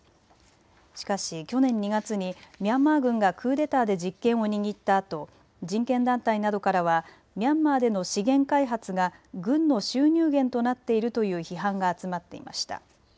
しかし去年２月にミャンマー軍がクーデターで実権を握ったあと人権団体などからはミャンマーでの資源開発が軍の収入源となっているという批判が集まっいました。